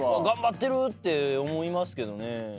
頑張ってるって思いますけどね。